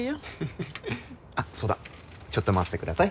フフあっそうだちょっと待っててください。